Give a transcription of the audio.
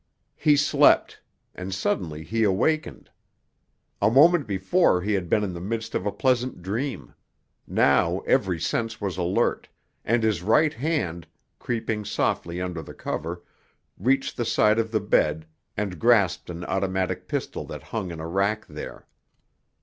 He slept—and suddenly he awakened. A moment before he had been in the midst of a pleasant dream; now every sense was alert, and his right hand, creeping softly under the cover, reached the side of the bed and grasped an automatic pistol that hung in a rack there.